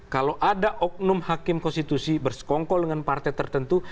kalau ada oknum hakim konstitusi bersekongkol dengan partai tertentu